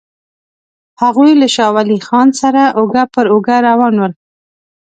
هغوی له شاه ولي خان سره اوږه پر اوږه روان ول.